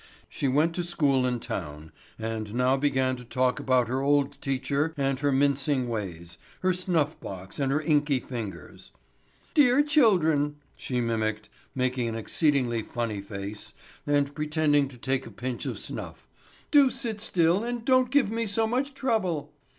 She went to school in town, and now began to talk about her old teacher and her mincing ways, her snuff box and her inky fingers. "Dear children," she mimicked, making an exceedingly funny face, and pretending to take a pinch of snuff; "do sit still and don't give me so much trouble!"